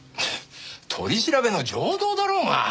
取り調べの常道だろうが。